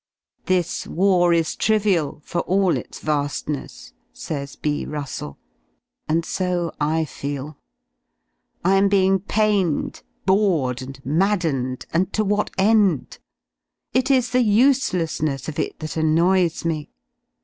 "This war is trivial, for all its va^ness," says B. Russell, and so I feel. I am being pained, bored, and maddened — and to what end.? It is the uselessness of it that annoys me.